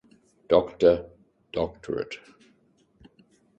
Doctor doctorate.